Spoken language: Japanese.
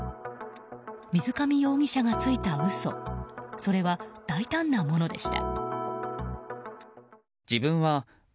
水上容疑者がついた嘘それは大胆なものでした。